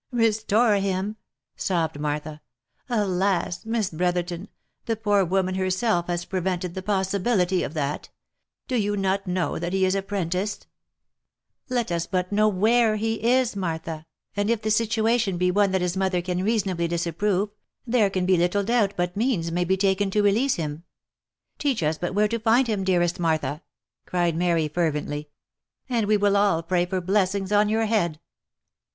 " Restore him !" sobbed Martha. " Alas ! Miss Brotherton, the poor woman herself has prevented the possibility of that ! Do you not know that he is apprenticed V " Let us but know where he is, Martha, and if the situation be one Q 2 228 THE LIFE AND ADVENTURES that his mother can reasonably disapprove, there can be little doubt but means may be taken to release him. Teach us but where to find him, dearest Martha," cried Mary fervently, " and we will all pray for blessings on your head